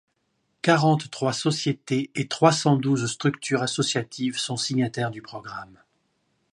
Quarante-trois sociétés et trois cent douze structures associatives sont signataires du programme.